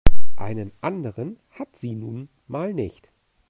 Einen anderen hat sie nun mal nicht.